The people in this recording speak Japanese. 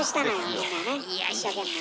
一生懸命。